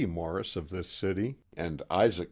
Mor ris>; of this dty^ and Isaac.